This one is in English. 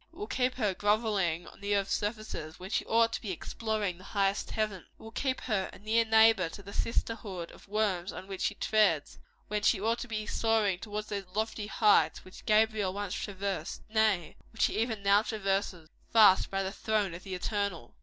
It will keep her grovelling on the earth's surface, when she ought to be exploring the highest heavens. It will keep her a near neighbor to the sisterhood of worms on which she treads, when she ought to be soaring towards those lofty heights which Gabriel once traversed nay, which he even now traverses fast by the throne of the Eternal.